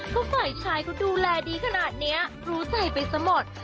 ก็ฝ่ายชายเขาดูแลดีขนาดนี้รู้ใจไปซะหมด